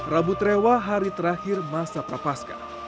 rabu trewa hari terakhir masa prapaska